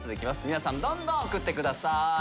皆さんどんどん送って下さい。